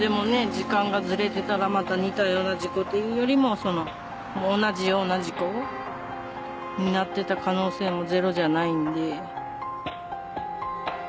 時間がずれてたらまた似たような事故というよりも同じような事故になってた可能性もゼロじゃないんで。